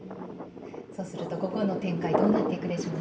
そうすると午後の展開どうなっていくでしょうね。